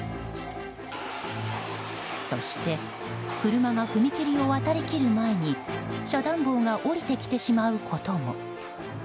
そして、車が踏切を渡りきる前に遮断棒が下りてきてしまうことも。